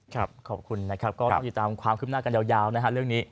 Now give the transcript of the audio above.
ขอบคุณนะครับก็ต้องติดตามความคืบหน้ากันยาวนะฮะเรื่องนี้